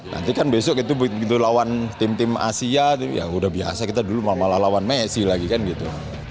nanti kan besok itu begitu lawan tim tim asia ya udah biasa kita dulu malah lawan messi lagi kan gitu